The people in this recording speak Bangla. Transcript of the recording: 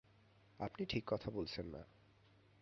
আপনি ঠিক কথা বলছেন না।